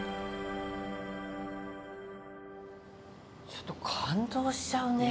ちょっと感動しちゃうね。